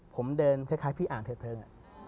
ผมเดินคล้ายพี่อ่านเทิดเทิง